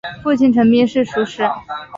父亲陈彬是塾师。